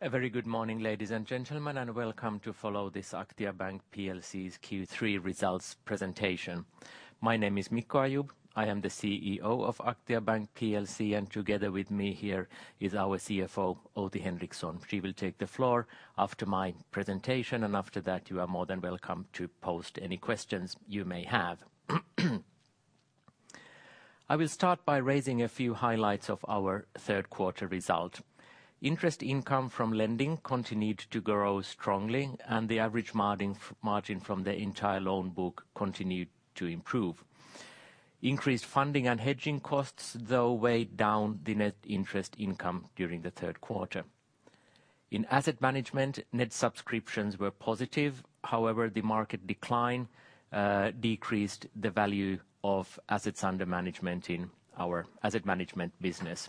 A very good morning, ladies and gentlemen, and welcome to follow this Aktia Bank PLC's Q3 results presentation. My name is Mikko Ayub. I am the CEO of Aktia Bank PLC, and together with me here is our CFO, Outi Henriksson. She will take the floor after my presentation, and after that you are more than welcome to post any questions you may have. I will start by raising a few highlights of our third quarter result. Interest income from lending continued to grow strongly and the average margin from the entire loan book continued to improve. Increased funding and hedging costs, though, weighed down the net interest income during the third quarter. In asset management, net subscriptions were positive. However, the market decline decreased the value of assets under management in our asset management business.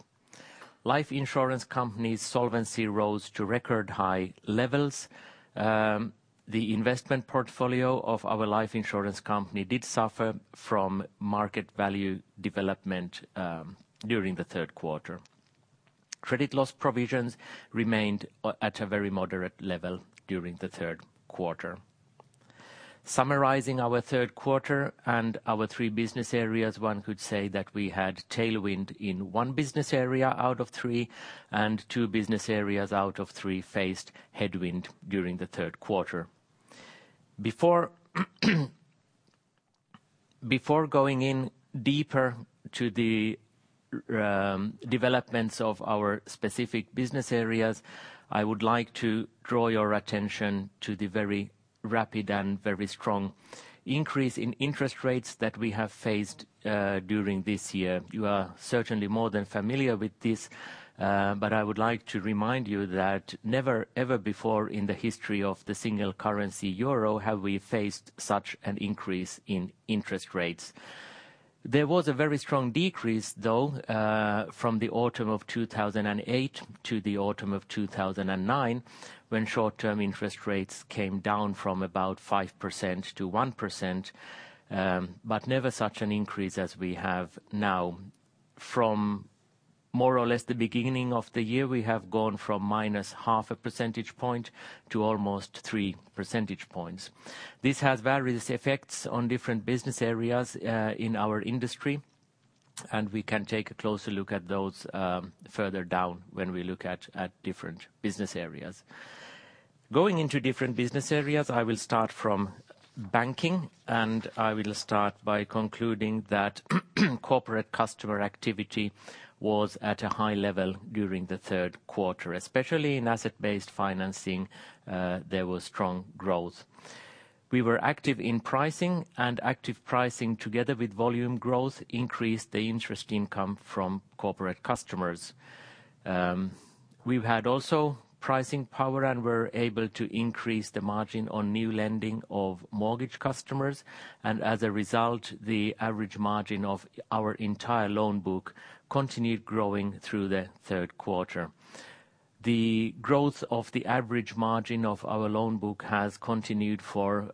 Life insurance company's solvency rose to record high levels. The investment portfolio of our life insurance company did suffer from market value development during the third quarter. Credit loss provisions remained at a very moderate level during the third quarter. Summarizing our third quarter and our three business areas, one could say that we had tailwind in one business area out of three, and two business areas out of three faced headwind during the third quarter. Before going in deeper to the developments of our specific business areas, I would like to draw your attention to the very rapid and very strong increase in interest rates that we have faced during this year. You are certainly more than familiar with this, but I would like to remind you that never ever before in the history of the single currency euro have we faced such an increase in interest rates. There was a very strong decrease though, from the autumn of 2008 to the autumn of 2009 when short-term interest rates came down from about 5% to 1%, but never such an increase as we have now. From more or less the beginning of the year, we have gone from -0.5 percentage point to almost 3 percentage points. This has various effects on different business areas in our industry, and we can take a closer look at those further down when we look at different business areas. Going into different business areas, I will start from banking, and I will start by concluding that corporate customer activity was at a high level during the third quarter. Especially in asset-based financing, there was strong growth. We were active in pricing, and active pricing together with volume growth increased the interest income from corporate customers. We've had also pricing power and were able to increase the margin on new lending of mortgage customers and as a result, the average margin of our entire loan book continued growing through the third quarter. The growth of the average margin of our loan book has continued for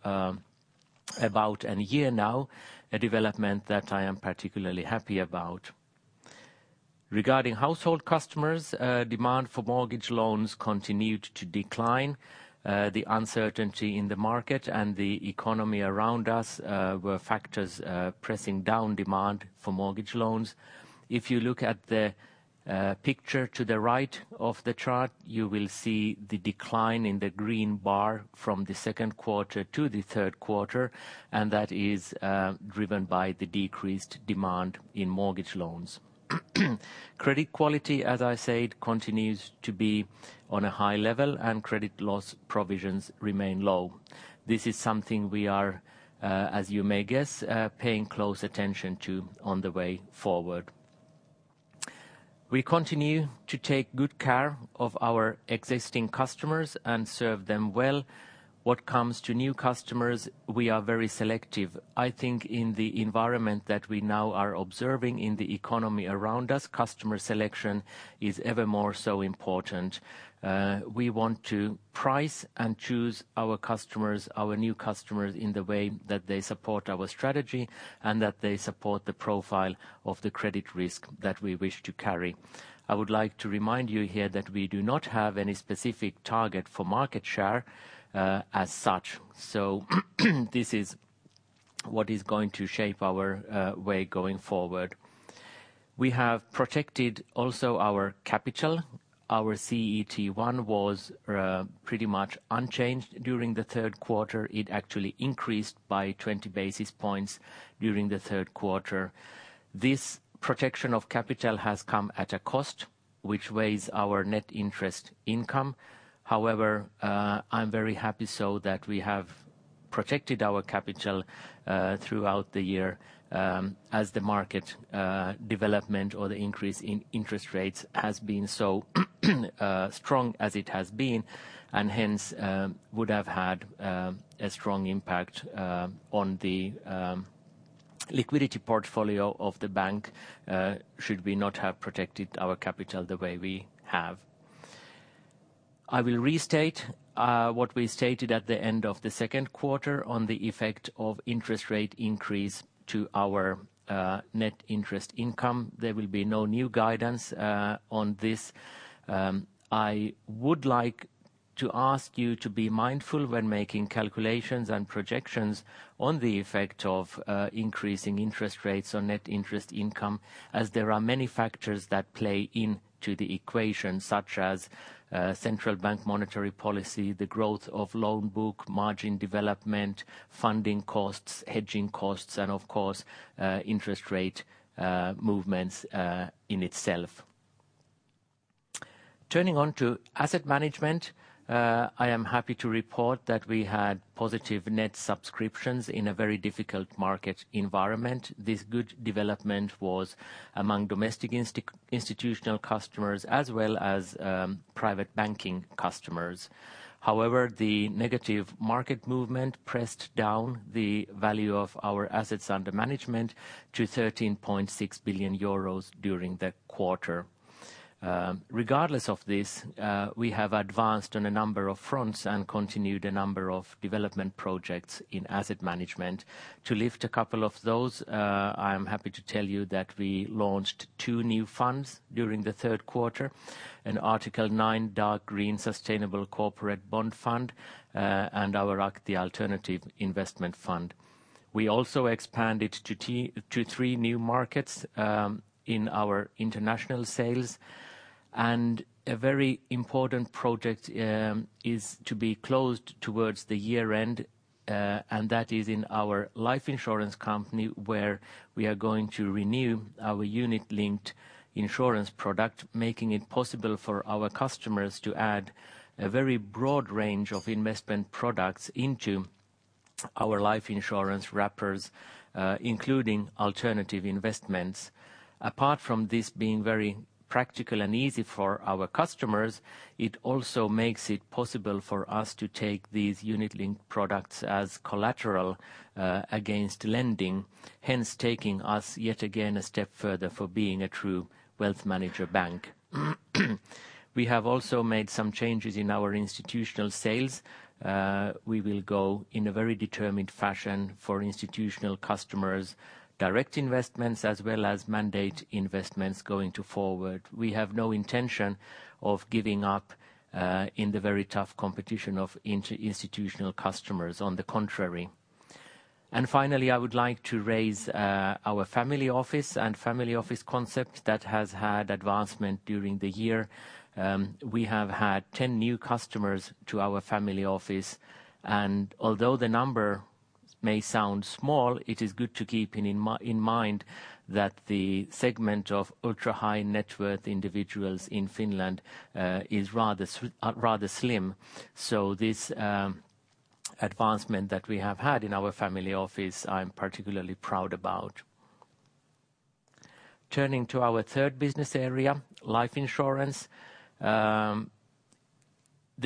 about a year now, a development that I am particularly happy about. Regarding household customers, demand for mortgage loans continued to decline. The uncertainty in the market and the economy around us were factors pressing down demand for mortgage loans. If you look at the picture to the right of the chart, you will see the decline in the green bar from the second quarter to the third quarter, and that is driven by the decreased demand in mortgage loans. Credit quality, as I said, continues to be on a high level, and credit loss provisions remain low. This is something we are, as you may guess, paying close attention to on the way forward. We continue to take good care of our existing customers and serve them well. What comes to new customers, we are very selective. I think in the environment that we now are observing in the economy around us, customer selection is ever more so important. We want to price and choose our customers, our new customers in the way that they support our strategy and that they support the profile of the credit risk that we wish to carry. I would like to remind you here that we do not have any specific target for market share, as such. This is what is going to shape our way going forward. We have protected also our capital. Our CET1 was pretty much unchanged during the third quarter. It actually increased by 20 basis points during the third quarter. This protection of capital has come at a cost which weighs our net interest income. However, I'm very happy so that we have protected our capital throughout the year, as the market development or the increase in interest rates has been so strong as it has been and hence would have had a strong impact on the liquidity portfolio of the bank, should we not have protected our capital the way we have. I will restate what we stated at the end of the second quarter on the effect of interest rate increase to our net interest income. There will be no new guidance on this. I would like to ask you to be mindful when making calculations and projections on the effect of increasing interest rates on net interest income, as there are many factors that play into the equation, such as central bank monetary policy, the growth of loan book, margin development, funding costs, hedging costs, and of course, interest rate movements in itself. Turning to asset management, I am happy to report that we had positive net subscriptions in a very difficult market environment. This good development was among domestic institutional customers as well as private banking customers. However, the negative market movement pressed down the value of our assets under management to 13.6 billion euros during the quarter. Regardless of this, we have advanced on a number of fronts and continued a number of development projects in asset management. To lift a couple of those, I am happy to tell you that we launched two new funds during the third quarter, an Article 9 dark green Sustainable Corporate Bond Fund, and our Aktia Alternative Investment Fund. We also expanded to three new markets, in our international sales. A very important project is to be closed towards the year-end, and that is in our life insurance company, where we are going to renew our unit-linked insurance product, making it possible for our customers to add a very broad range of investment products into our life insurance wrappers, including alternative investments. Apart from this being very practical and easy for our customers, it also makes it possible for us to take these unit-linked products as collateral against lending, hence taking us yet again a step further for being a true wealth manager bank. We have also made some changes in our institutional sales. We will go in a very determined fashion for institutional customers, direct investments as well as mandate investments going forward. We have no intention of giving up in the very tough competition for institutional customers, on the contrary. Finally, I would like to raise our family office and family office concept that has had advancement during the year. We have had 10 new customers to our family office, and although the number may sound small, it is good to keep in mind that the segment of ultra-high net worth individuals in Finland is rather slim. This advancement that we have had in our family office, I'm particularly proud about. Turning to our third business area, life insurance. The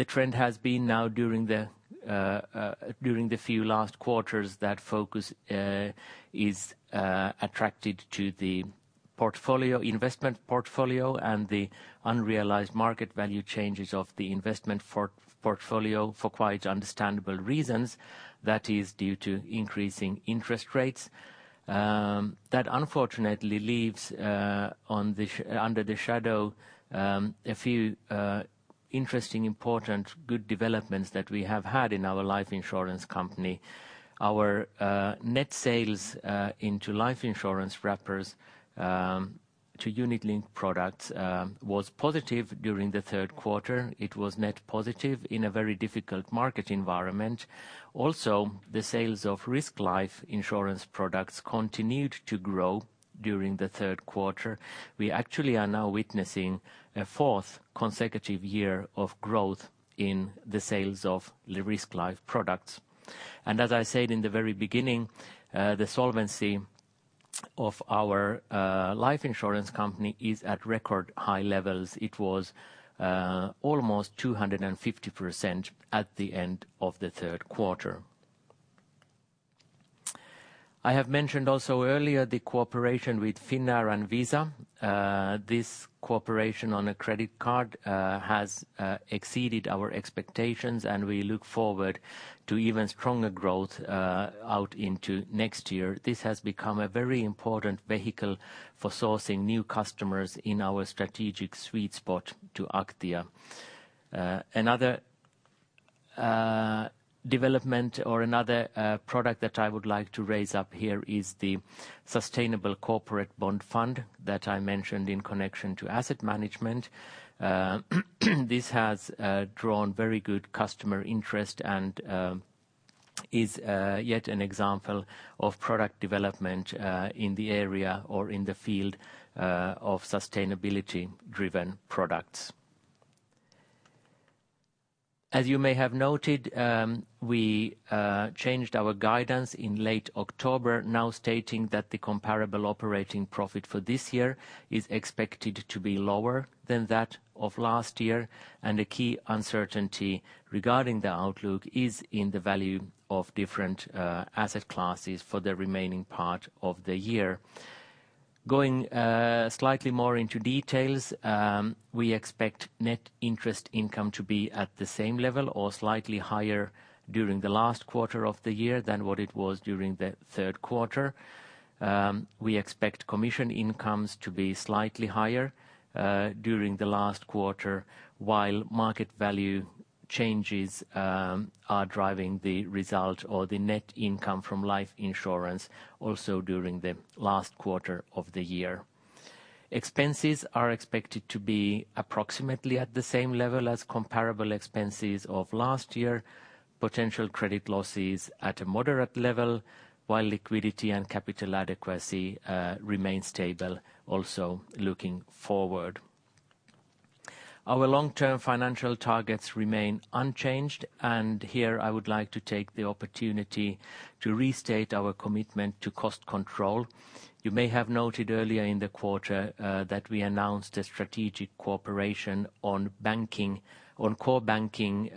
trend has been now during the few last quarters that focus is attracted to the portfolio, investment portfolio and the unrealized market value changes of the investment portfolio for quite understandable reasons. That is due to increasing interest rates. That unfortunately leaves under the shadow a few interesting, important good developments that we have had in our life insurance company. Our net sales into life insurance wrappers to unit-linked products was positive during the third quarter. It was net positive in a very difficult market environment. Also, the sales of risk life insurance products continued to grow during the third quarter. We actually are now witnessing a fourth consecutive year of growth in the sales of the risk life products. As I said in the very beginning, the solvency of our life insurance company is at record high levels. It was almost 250% at the end of the third quarter. I have mentioned also earlier the cooperation with Finnair and Visa. This cooperation on a credit card has exceeded our expectations, and we look forward to even stronger growth out into next year. This has become a very important vehicle for sourcing new customers in our strategic sweet spot to Aktia. Another development or product that I would like to raise up here is the sustainable corporate bond fund that I mentioned in connection to asset management. This has drawn very good customer interest and is yet an example of product development in the area or in the field of sustainability-driven products. As you may have noted, we changed our guidance in late October, now stating that the comparable operating profit for this year is expected to be lower than that of last year. The key uncertainty regarding the outlook is in the value of different asset classes for the remaining part of the year. Going slightly more into details, we expect net interest income to be at the same level or slightly higher during the last quarter of the year than what it was during the third quarter. We expect commission incomes to be slightly higher during the last quarter, while market value changes are driving the result or the net income from life insurance also during the last quarter of the year. Expenses are expected to be approximately at the same level as comparable expenses of last year. Potential credit losses at a moderate level, while liquidity and capital adequacy remains stable also looking forward. Our long-term financial targets remain unchanged, and here I would like to take the opportunity to restate our commitment to cost control. You may have noted earlier in the quarter that we announced a strategic cooperation on banking. On core banking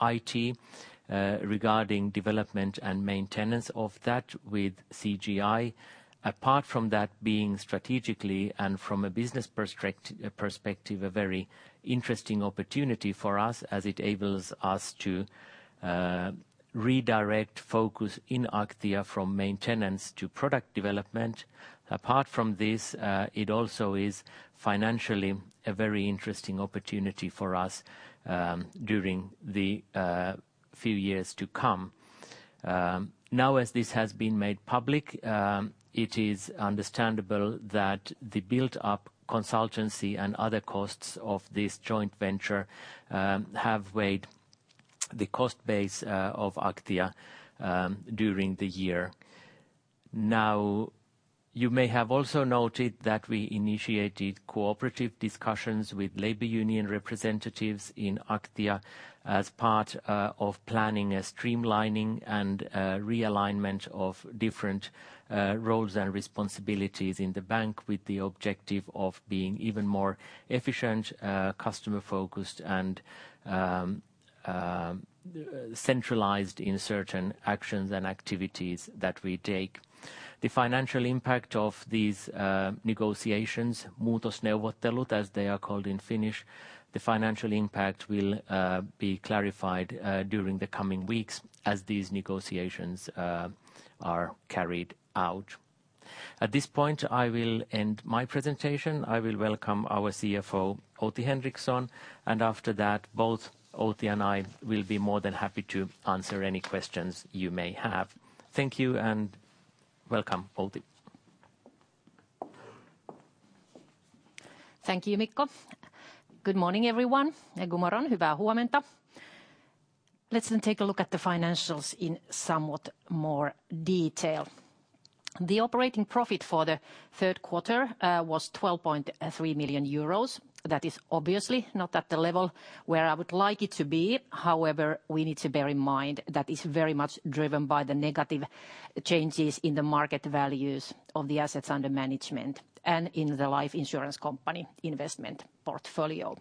IT regarding development and maintenance of that with CGI. Apart from that being strategically and from a business perspective a very interesting opportunity for us, as it enables us to redirect focus in Aktia from maintenance to product development. Apart from this, it also is financially a very interesting opportunity for us during the few years to come. Now as this has been made public, it is understandable that the built-up consultancy and other costs of this joint venture have weighed the cost base of Aktia during the year. Now, you may have also noted that we initiated cooperative discussions with labor union representatives in Aktia as part of planning a streamlining and realignment of different roles and responsibilities in the bank with the objective of being even more efficient, customer focused and centralized in certain actions and activities that we take. The financial impact of these negotiations, muutosneuvottelut, as they are called in Finnish, the financial impact will be clarified during the coming weeks as these negotiations are carried out. At this point, I will end my presentation. I will welcome our CFO, Outi Henriksson, and after that both Outi and I will be more than happy to answer any questions you may have. Thank you and welcome, Outi. Thank you, Mikko. Good morning, everyone. Good morning. Let's then take a look at the financials in somewhat more detail. The operating profit for the third quarter was 12.3 million euros. That is obviously not at the level where I would like it to be. However, we need to bear in mind that is very much driven by the negative changes in the market values of the assets under management and in the life insurance company investment portfolio.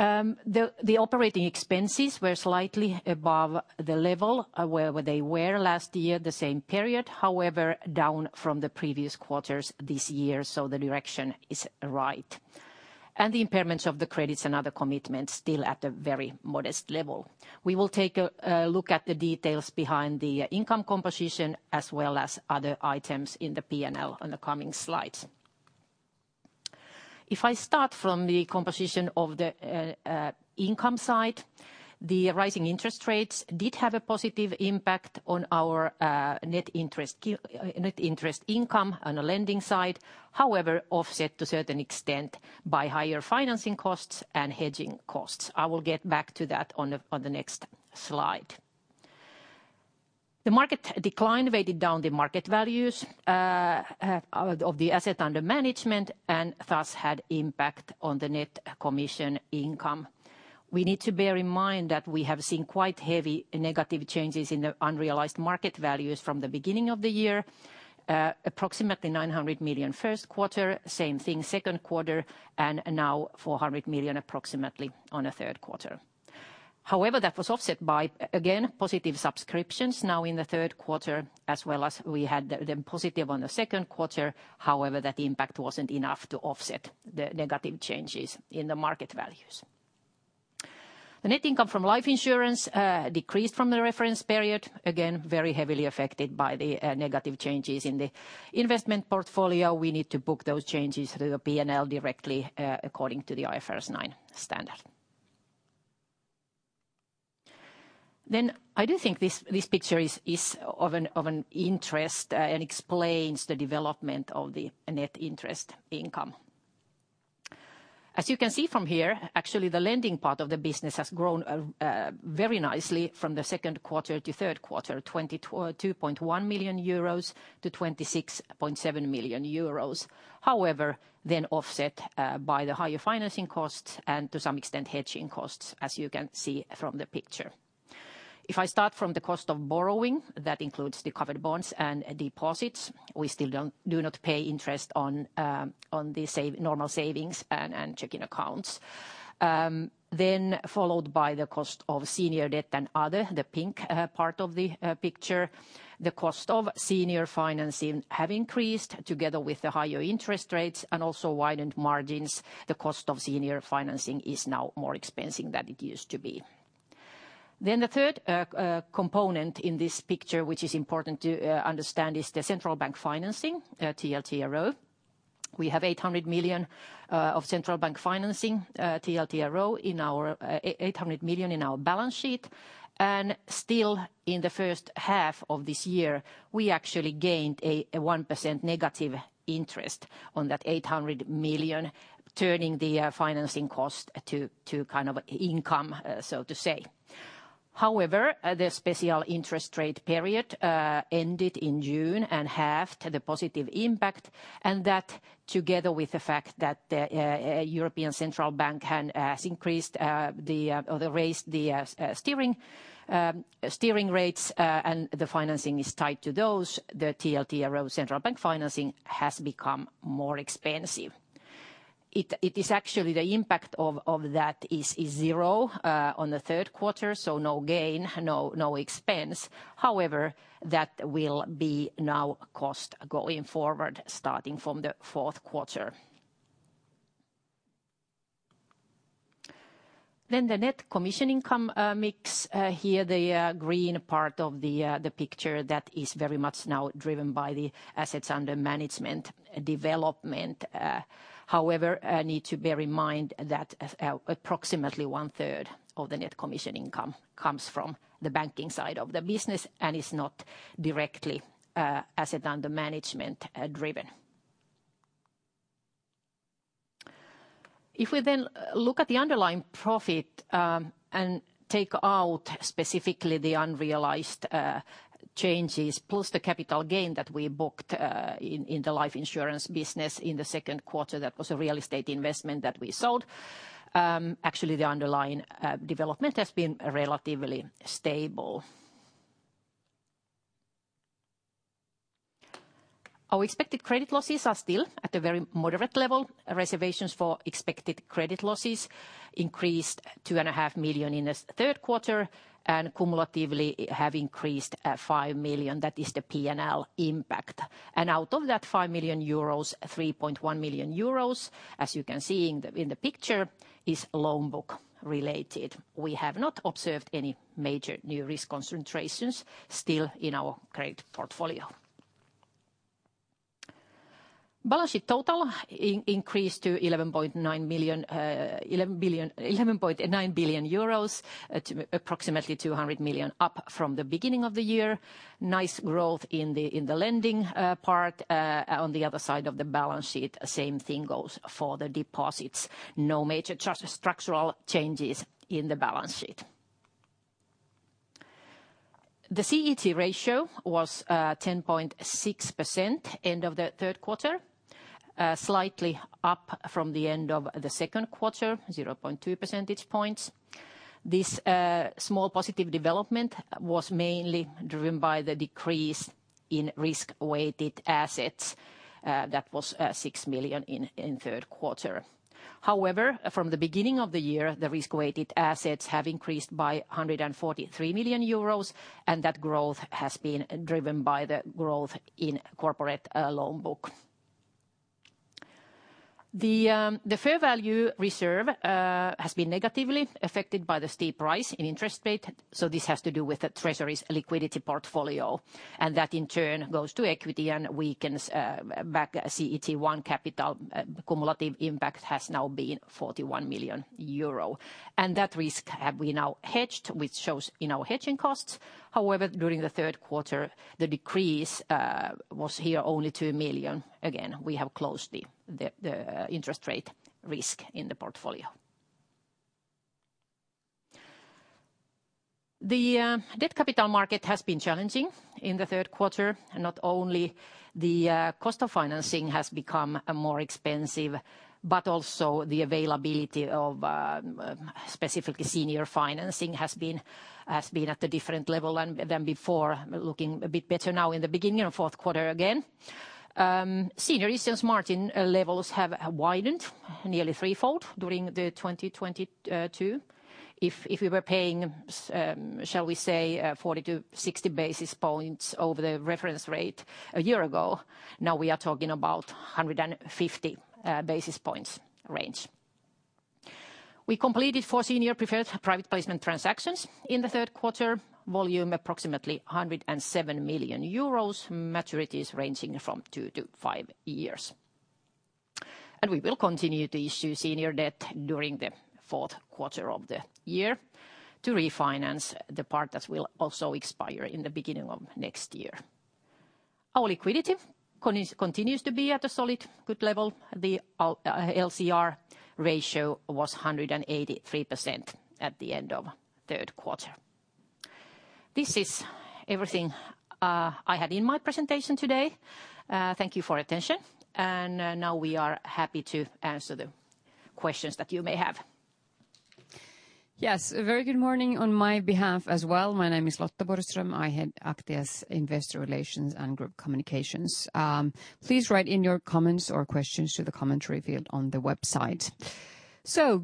The operating expenses were slightly above the level where they were last year, the same period. However, down from the previous quarters this year, so the direction is right. The impairments of the credits and other commitments still at a very modest level. We will take a look at the details behind the income composition as well as other items in the P&L on the coming slides. If I start from the composition of the income side, the rising interest rates did have a positive impact on our net interest income on the lending side. However, offset to certain extent by higher financing costs and hedging costs. I will get back to that on the next slide. The market decline weighted down the market values of the assets under management and thus had impact on the net commission income. We need to bear in mind that we have seen quite heavy negative changes in the unrealized market values from the beginning of the year. Approximately 900 million first quarter, same thing second quarter, and now approximately 400 million on the third quarter. However, that was offset by, again, positive subscriptions now in the third quarter, as well as we had the positive on the second quarter. However, that impact wasn't enough to offset the negative changes in the market values. The net income from life insurance decreased from the reference period. Again, very heavily affected by the negative changes in the investment portfolio. We need to book those changes through the P&L directly, according to the IFRS 9 standard. I do think this picture is of interest and explains the development of the net interest income. As you can see from here, actually the lending part of the business has grown very nicely from the second quarter to third quarter, 2.1 million-26.7 million euros. However, then offset by the higher financing costs and to some extent hedging costs, as you can see from the picture. If I start from the cost of borrowing, that includes the covered bonds and deposits. We still do not pay interest on normal savings and checking accounts. Then followed by the cost of senior debt and other, the pink part of the picture. The cost of senior financing have increased together with the higher interest rates and also widened margins. The cost of senior financing is now more expensive than it used to be. The third component in this picture, which is important to understand, is the central bank financing, TLTRO. We have 800 million of central bank financing, TLTRO in our balance sheet. Still in the first half of this year, we actually gained a 1% negative interest on that 800 million, turning the financing cost to kind of income, so to say. However, the special interest rate period ended in June and halved the positive impact, and that together with the fact that the European Central Bank has increased or raised the steering rates, and the financing is tied to those, the TLTRO central bank financing has become more expensive. It is actually the impact of that is zero on the third quarter, so no gain, no expense. However, that will be now cost going forward, starting from the fourth quarter. The net commission income mix, here the green part of the picture that is very much now driven by the assets under management development. However, need to bear in mind that approximately 1/3 of the net commission income comes from the banking side of the business and is not directly asset under management driven. If we then look at the underlying profit and take out specifically the unrealized changes plus the capital gain that we booked in the life insurance business in the second quarter, that was a real estate investment that we sold. Actually, the underlying development has been relatively stable. Our expected credit losses are still at a very moderate level. Reservations for expected credit losses increased 2.5 million in this third quarter, and cumulatively have increased 5 million. That is the P&L impact. Out of that 5 million euros, 3.1 million euros, as you can see in the picture, is loan book-related. We have not observed any major new risk concentrations still in our credit portfolio. Balance sheet total increased to 11.9 billion, approximately 200 million up from the beginning of the year. Nice growth in the lending part on the other side of the balance sheet. Same thing goes for the deposits. No major structural changes in the balance sheet. The CET1 ratio was 10.6% end of the third quarter, slightly up from the end of the second quarter, 0.2 percentage points. This small positive development was mainly driven by the decrease in risk-weighted assets. That was 6 million in third quarter. However, from the beginning of the year, the risk-weighted assets have increased by 143 million euros, and that growth has been driven by the growth in corporate loan book. The fair value reserve has been negatively affected by the steep rise in interest rate, so this has to do with the treasury's liquidity portfolio, and that in turn goes to equity and weakens back CET1 capital. Cumulative impact has now been 41 million euro. That risk have we now hedged, which shows in our hedging costs. However, during the third quarter, the decrease was here only 2 million. Again, we have closed the interest rate risk in the portfolio. The debt capital market has been challenging in the third quarter. Not only the cost of financing has become more expensive, but also the availability of specifically senior financing has been at a different level than before. Looking a bit better now in the beginning of fourth quarter again. Senior issuance margin levels have widened nearly threefold during 2022. If we were paying, shall we say, 40-60 basis points over the reference rate a year ago, now we are talking about 150 basis points range. We completed four senior preferred private placement transactions in the third quarter. Volume approximately 107 million euros. Maturities ranging from two-five years. We will continue to issue senior debt during the fourth quarter of the year to refinance the part that will also expire in the beginning of next year. Our liquidity continues to be at a solid, good level. The LCR ratio was 183% at the end of third quarter. This is everything I had in my presentation today. Thank you for your attention, and now we are happy to answer any questions that you may have. Yes. A very good morning on my behalf as well. My name is Lotta Borgström. I head Aktia's Investor Relations and Group Communications. Please write in your comments or questions to the commentary field on the website.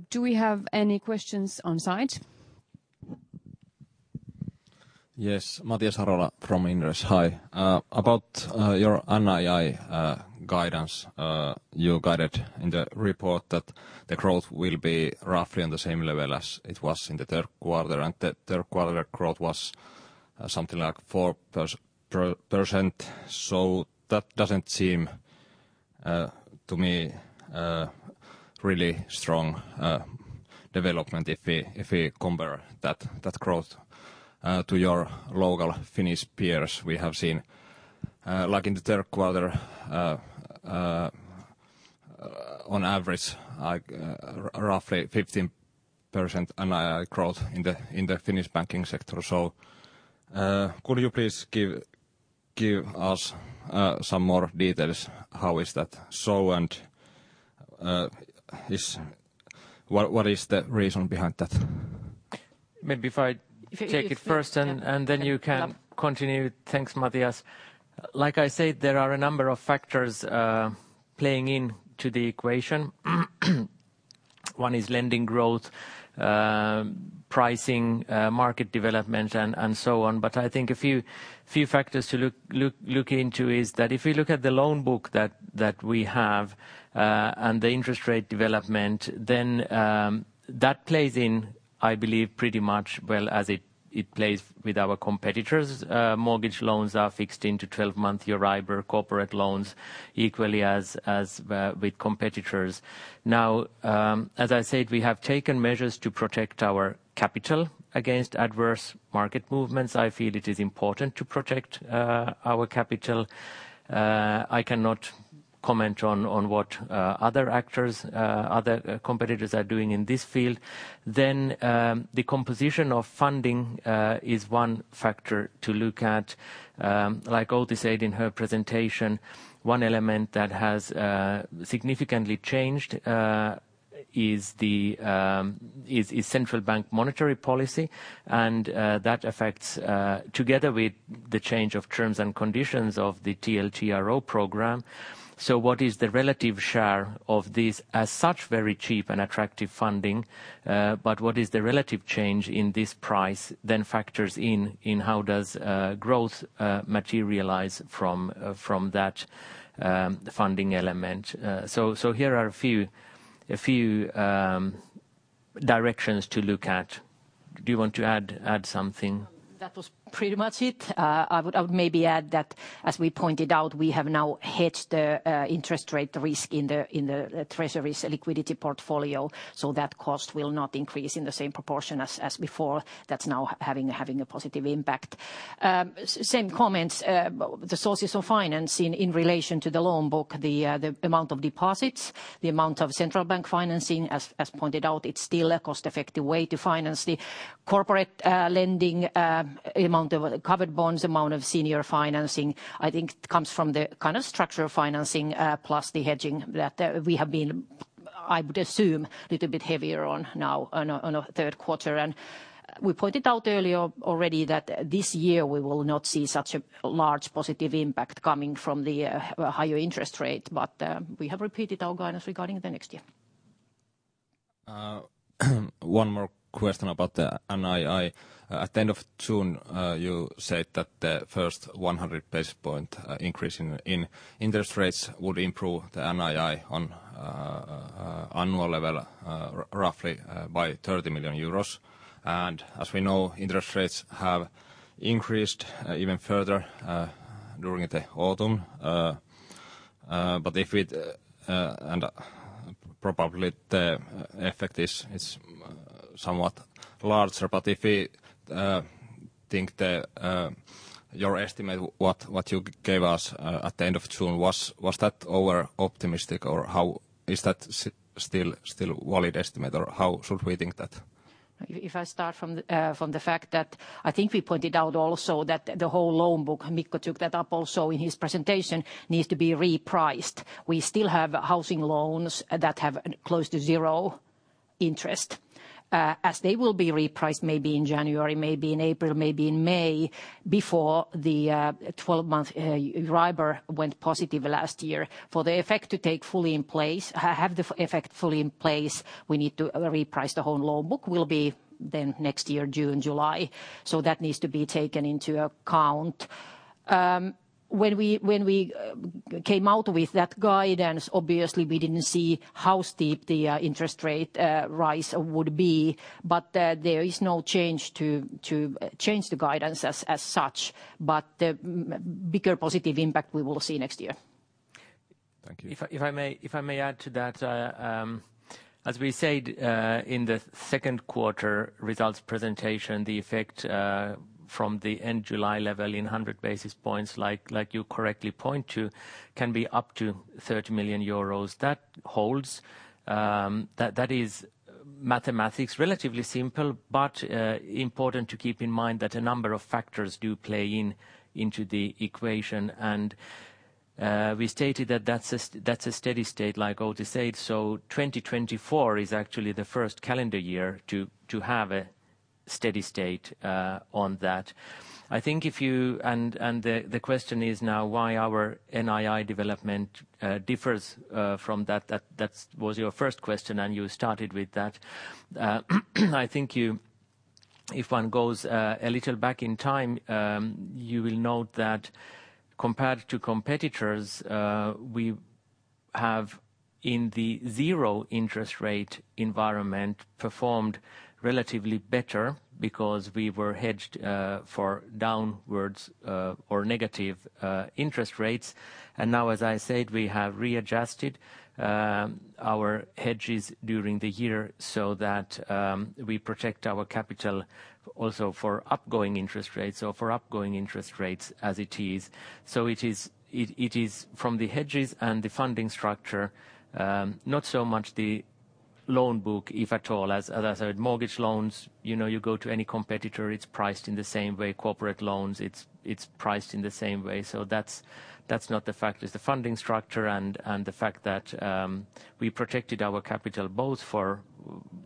Do we have any questions on site? Yes. Mathias Harala from Inderes. Hi. About your NII guidance, you guided in the report that the growth will be roughly on the same level as it was in the third quarter, and the third quarter growth was something like 4%. That doesn't seem to me really strong development if we compare that growth to your local Finnish peers. We have seen like in the third quarter on average like roughly 15% NII growth in the Finnish banking sector. Could you please give us some more details? How is that so, and what is the reason behind that? Maybe if I take it first. If, if- Then you can continue. Thanks, Mathias. Like I said, there are a number of factors playing into the equation. One is lending growth, pricing, market development, and so on, but I think a few factors to look into is that if we look at the loan book that we have and the interest rate development, then that plays in, I believe, pretty much well as it plays with our competitors. Mortgage loans are fixed into 12-month EURIBOR corporate loans equally as with competitors. Now, as I said, we have taken measures to protect our capital against adverse market movements. I feel it is important to protect our capital. I cannot comment on what other actors, other competitors are doing in this field. The composition of funding is one factor to look at. Like Outi said in her presentation, one element that has significantly changed is the central bank monetary policy and that affects together with the change of terms and conditions of the TLTRO program. What is the relative share of this as such very cheap and attractive funding, but what is the relative change in this price then factors in how does growth materialize from that funding element. Here are a few directions to look at. Do you want to add something? That was pretty much it. I would maybe add that, as we pointed out, we have now hedged the interest rate risk in the treasury's liquidity portfolio, so that cost will not increase in the same proportion as before. That's now having a positive impact. Same comments, the sources of financing in relation to the loan book, the amount of deposits, the amount of central bank financing as pointed out, it's still a cost-effective way to finance the corporate lending, amount of covered bonds, amount of senior financing, I think comes from the kind of structured financing, plus the hedging that we have been, I would assume, little bit heavier on now on a third quarter. We pointed out earlier already that this year we will not see such a large positive impact coming from the higher interest rate, but we have repeated our guidance regarding the next year. One more question about the NII. At the end of June, you said that the first 100 basis point increase in interest rates would improve the NII on annual level, roughly by 30 million euros. As we know, interest rates have increased even further during the autumn. But if it. Probably the effect is somewhat larger. If we think that your estimate, what you gave us at the end of June, was that over-optimistic or how. Is that still valid estimate or how should we think that? If I start from the fact that I think we pointed out also that the whole loan book, Mikko took that up also in his presentation, needs to be repriced. We still have housing loans that have close to zero interest. As they will be repriced maybe in January, maybe in April, maybe in May, before the 12-month EURIBOR went positive last year. For the effect to take full effect, we need to reprice the whole loan book, will be then next year, June, July. That needs to be taken into account. When we came out with that guidance, obviously we didn't see how steep the interest rate rise would be, but there is no change to the guidance as such. Bigger positive impact we will see next year. Thank you. If I may add to that. As we said in the second quarter results presentation, the effect from the end-July level in 100 basis points like you correctly point to can be up to 30 million euros. That holds. That is Mathias, relatively simple, but important to keep in mind that a number of factors do play into the equation. We stated that that's a steady state, like Outi said, so 2024 is actually the first calendar year to have a steady state on that. I think if you, the question is now why our NII development differs from that. That was your first question, and you started with that. I think you, if one goes, a little back in time, you will note that compared to competitors, we have in the zero interest rate environment performed relatively better because we were hedged, for downwards, or negative, interest rates. Now, as I said, we have readjusted, our hedges during the year so that, we protect our capital also for upgoing interest rates, so for upgoing interest rates as it is. It is from the hedges and the funding structure, not so much the loan book, if at all. As I said, mortgage loans, you know, you go to any competitor, it's priced in the same way. Corporate loans, it's priced in the same way. That's not the factor. It's the funding structure and the fact that we protected our capital both for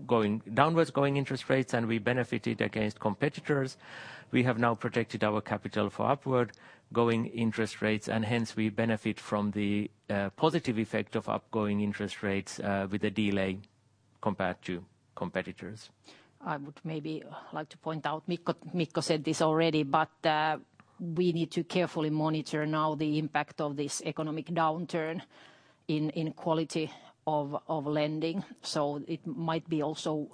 going downwards going interest rates, and we benefited against competitors. We have now protected our capital for upward going interest rates, and hence we benefit from the positive effect of upgoing interest rates with a delay compared to competitors. I would maybe like to point out, Mikko. Mikko said this already, but we need to carefully monitor now the impact of this economic downturn on quality of lending. It might be also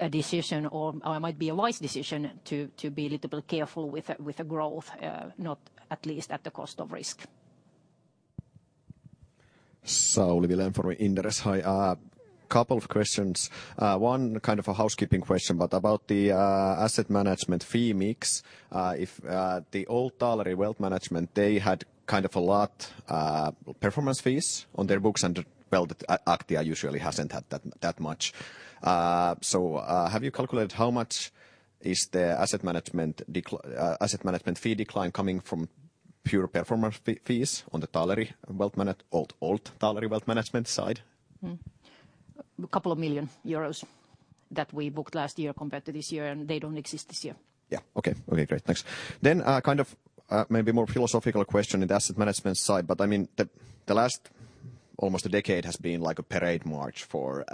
a decision or it might be a wise decision to be a little bit careful with a growth not at least at the cost of risk. Hi, couple of questions. One kind of a housekeeping question, but about the asset management fee mix. If the old Taaleri Wealth Management, they had kind of a lot performance fees on their books, and well, Aktia usually hasn't had that much. So, have you calculated how much is the asset management fee decline coming from pure performance fees on the old Taaleri Wealth Management side? A couple of million euros that we booked last year compared to this year, and they don't exist this year. Yeah. Okay. Okay, great. Thanks. Kind of, maybe more philosophical question in the asset management side, but, I mean, the last almost a decade has been like a parade march for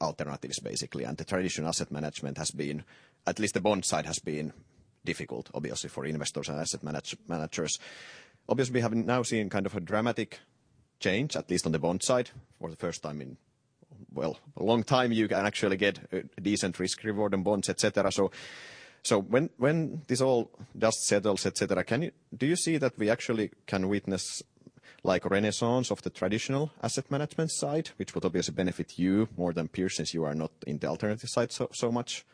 alternatives basically, and the traditional asset management has been, at least the bond side has been difficult obviously for investors and asset managers. Obviously we have now seen kind of a dramatic change, at least on the bond side for the first time in, well, a long time you can actually get a decent risk reward in bonds, et cetera. So when this all dust settles, et cetera, can you do you see that we actually can witness like a renaissance of the traditional asset management side, which would obviously benefit you more than peers since you are not in the alternative side so much?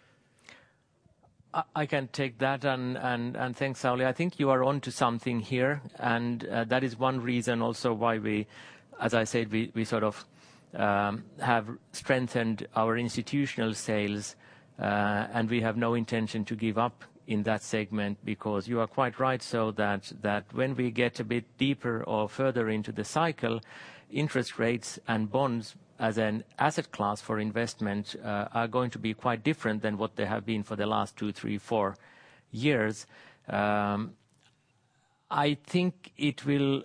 I can take that and thanks, Sauli. I think you are onto something here, and that is one reason also why we, as I said, we sort of have strengthened our institutional sales. We have no intention to give up in that segment because you are quite right, so that when we get a bit deeper or further into the cycle, interest rates and bonds as an asset class for investment are going to be quite different than what they have been for the last two, three, four years. I think it will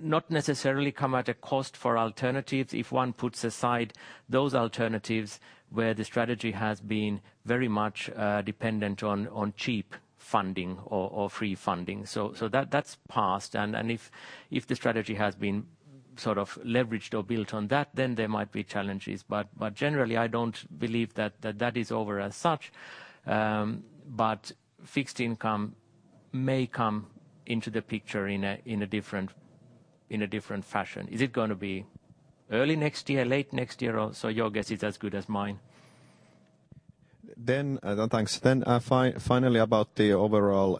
not necessarily come at a cost for alternatives if one puts aside those alternatives where the strategy has been very much dependent on cheap funding or free funding. That's passed. If the strategy has been sort of leveraged or built on that, then there might be challenges. Generally I don't believe that is over as such. Fixed income may come into the picture in a different fashion. Is it gonna be early next year, late next year or? Your guess is as good as mine. Thanks. Finally about the overall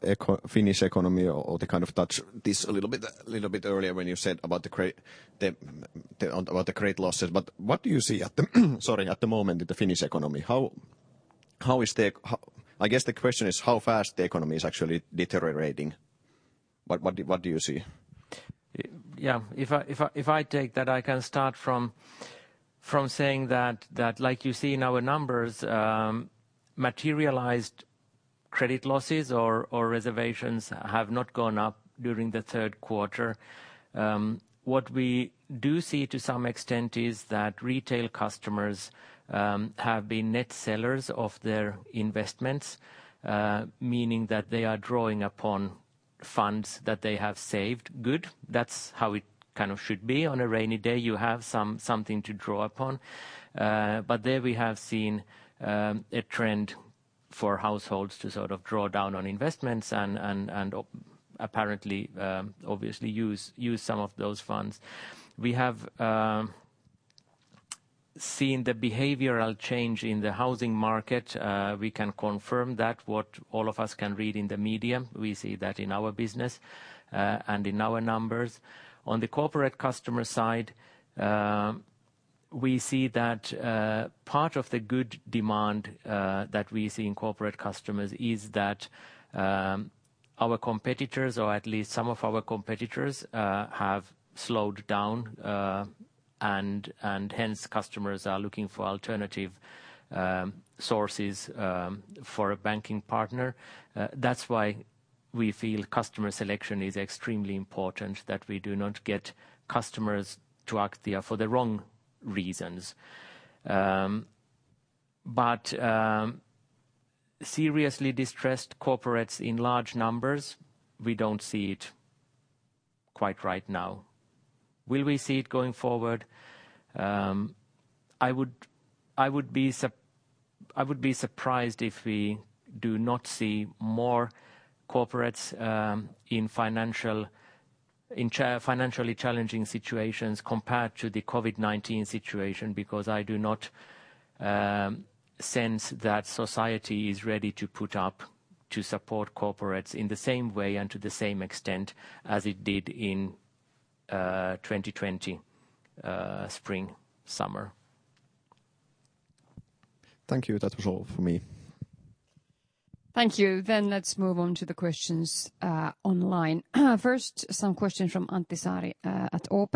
Finnish economy or I kind of touched this a little bit earlier when you said about the credit losses. What do you see, sorry, at the moment in the Finnish economy? How is the economy actually deteriorating? I guess the question is how fast the economy is actually deteriorating. What do you see? Yeah. If I take that, I can start from saying that like you see in our numbers, materialized credit losses or provisions have not gone up during the third quarter. What we do see to some extent is that retail customers have been net sellers of their investments, meaning that they are drawing upon funds that they have saved. Good. That's how it kind of should be. On a rainy day you have something to draw upon. There we have seen a trend for households to sort of draw down on investments and apparently obviously use some of those funds. We have seen the behavioral change in the housing market. We can confirm that what all of us can read in the media, we see that in our business, and in our numbers. On the corporate customer side, we see that part of the good demand that we see in corporate customers is that our competitors, or at least some of our competitors, have slowed down. Hence customers are looking for alternative sources for a banking partner. That's why we feel customer selection is extremely important, that we do not get customers to Aktia for the wrong reasons. Seriously distressed corporates in large numbers, we don't see it quite right now. Will we see it going forward? I would be surprised if we do not see more corporates in financially challenging situations compared to the COVID-19 situation, because I do not sense that society is ready to put up to support corporates in the same way and to the same extent as it did in 2020 spring, summer. Thank you. That was all for me. Thank you. Let's move on to the questions online. First, some questions from Antti Saari at OP.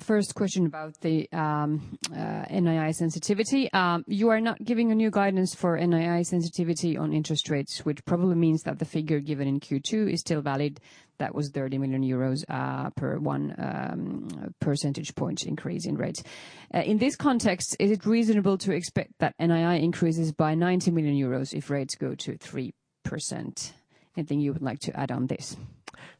First question about the NII sensitivity. You are not giving a new guidance for NII sensitivity on interest rates, which probably means that the figure given in Q2 is still valid. That was 30 million euros per one percentage point increase in rates. In this context, is it reasonable to expect that NII increases by 90 million euros if rates go to 3%? Anything you would like to add on this?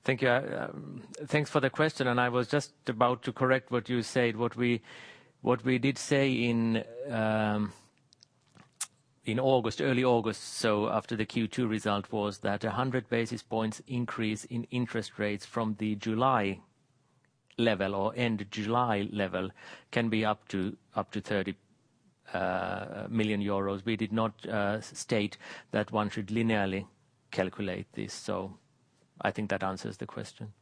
Thank you. Thanks for the question, and I was just about to correct what you said. What we did say in August, early August, after the Q2 result, was that 100 basis points increase in interest rates from the July level or end of July level can be up to 30 million euros. We did not state that one should linearly calculate this. I think that answers the question.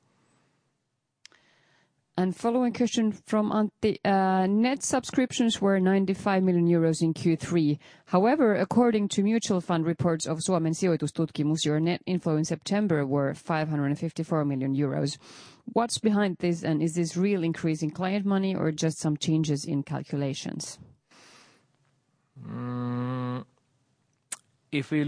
Following question from Antti. Net subscriptions were 95 million euros in Q3. However, according to mutual fund reports of Suomen Sijoitustutkimus, your net inflow in September were 554 million euros. What's behind this, and is this real increase in client money or just some changes in calculations? If we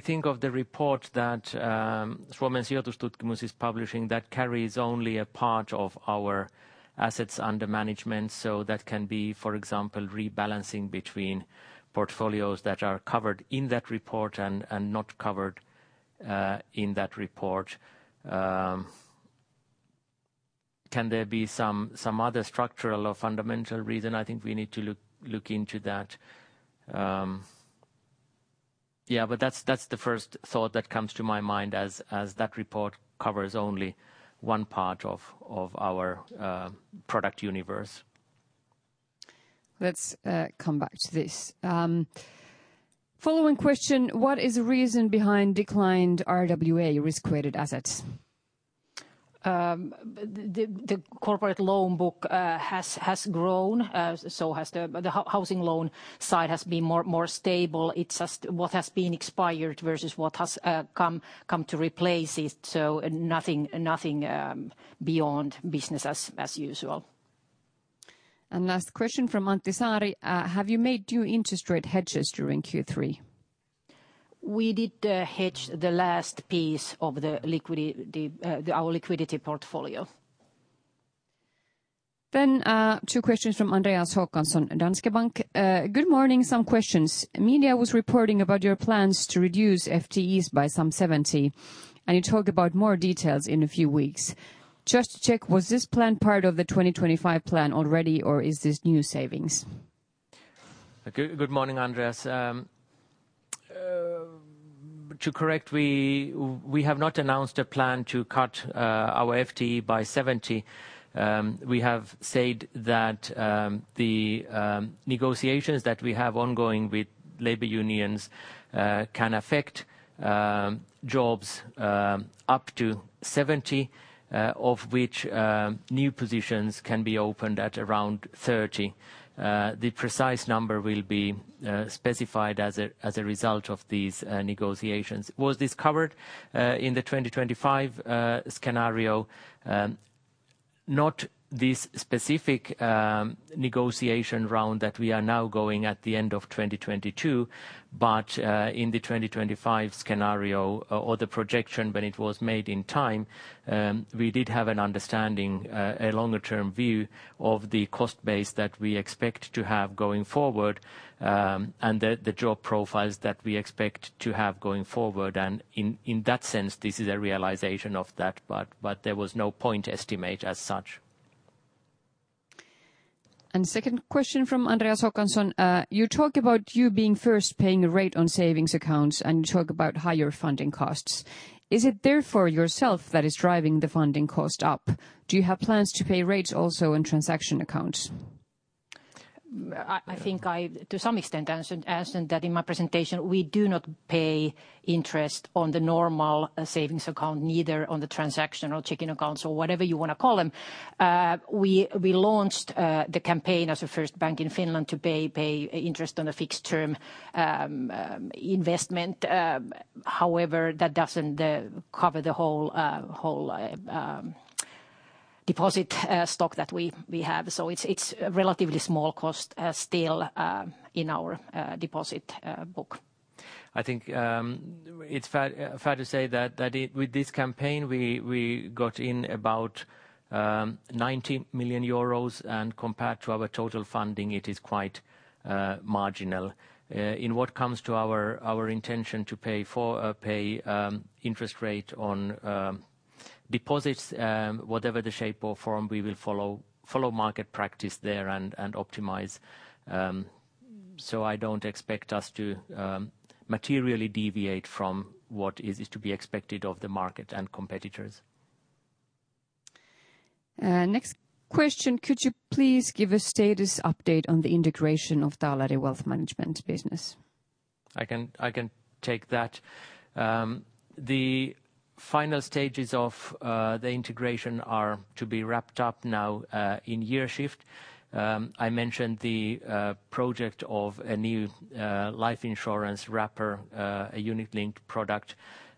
think of the report that Suomen Sijoitustutkimus is publishing, that carries only a part of our assets under management, so that can be, for example, rebalancing between portfolios that are covered in that report and not covered in that report. Can there be some other structural or fundamental reason? I think we need to look into that. Yeah, but that's the first thought that comes to my mind as that report covers only one part of our product universe. Let's come back to this. Following question: What is the reason behind declined RWA, risk-weighted assets? The corporate loan book has grown. The housing loan side has been more stable. It's just what has been expired versus what has come to replace it. Nothing beyond business as usual. Last question from Antti Saari. Have you made new interest rate hedges during Q3? We did hedge the last piece of our liquidity portfolio. Two questions from Andreas Håkansson, Danske Bank. Good morning. Some questions. Media was reporting about your plans to reduce FTEs by some 70, and you talk about more details in a few weeks. Just to check, was this plan part of the 2025 plan already, or is this new savings? Good morning, Andreas Håkansson. To correct, we have not announced a plan to cut our FTE by 70. We have said that the negotiations that we have ongoing with labor unions can affect jobs up to 70, of which new positions can be opened at around 30. The precise number will be specified as a result of these negotiations. Was this covered in the 2025 scenario? Not this specific negotiation round that we are now going at the end of 2022. In the 2025 scenario or the projection when it was made at the time, we did have an understanding, a longer-term view of the cost base that we expect to have going forward, and the job profiles that we expect to have going forward. In that sense, this is a realization of that, but there was no point estimate as such. Second question from Andreas Håkansson. You talk about you being the first to pay a rate on savings accounts, and you talk about higher funding costs. Is it therefore yourself that is driving the funding cost up? Do you have plans to pay rates also in transaction accounts? I think I, to some extent, answered that in my presentation. We do not pay interest on the normal savings account, neither on the transaction or checking accounts or whatever you wanna call them. We launched the campaign as the first bank in Finland to pay interest on a fixed term investment. However, that doesn't cover the whole deposit stock that we have. It's a relatively small cost still in our deposit book. I think it's fair to say that with this campaign we got in about 90 million euros, and compared to our total funding it is quite marginal. When it comes to our intention to pay interest rate on deposits, whatever the shape or form, we will follow market practice there and optimize. I don't expect us to materially deviate from what is to be expected of the market and competitors. Next question. Could you please give a status update on the integration of Taaleri Wealth Management business? I can take that. The final stages of the integration are to be wrapped up now in year-end. I mentioned the project of a new life insurance wrapper, a unit link product,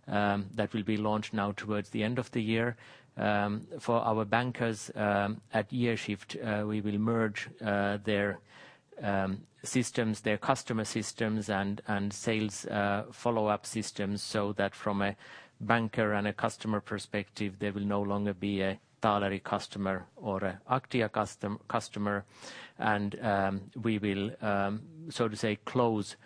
that will be launched now towards the end of the year. For our bankers, at year-end, we will merge their systems, their customer systems and sales follow-up systems, so that from a banker and a customer perspective, they will no longer be a Taaleri customer or an Aktia customer. We will so to say close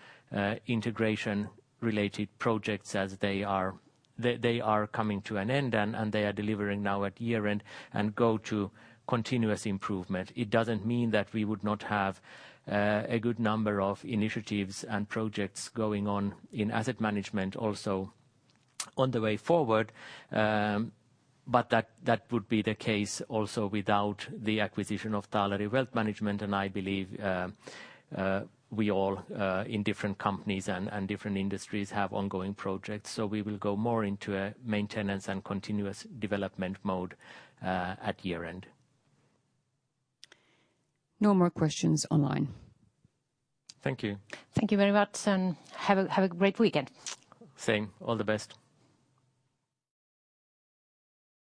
integration related projects as they are coming to an end and they are delivering now at year-end and go to continuous improvement. It doesn't mean that we would not have a good number of initiatives and projects going on in asset management also on the way forward. That would be the case also without the acquisition of Taaleri Wealth Management, and I believe we all in different companies and different industries have ongoing projects. We will go more into a maintenance and continuous development mode at year-end. No more questions online. Thank you. Thank you very much and have a great weekend. Same. All the best.